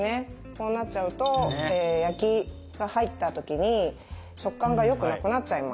こうなっちゃうと焼きが入った時に食感がよくなくなっちゃいます。